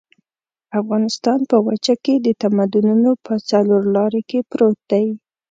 افغانستان په وچه کې د تمدنونو په څلور لاري کې پروت دی.